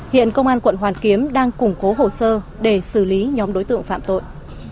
hiện công an quận hoàn kiếm đang củng cố hồ sơ để xử lý nhóm đối tượng phạm tội